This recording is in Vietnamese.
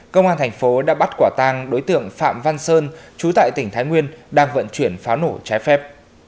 công an thành phố đã bắt quả tang đối tượng phạm văn sơn trú tại tỉnh thái nguyên đang vận chuyển pháo nổ trái phép